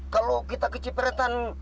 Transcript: kalau kita keciperetan